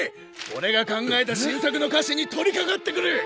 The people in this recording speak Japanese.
おれが考えた新作の菓子に取りかかってくれ！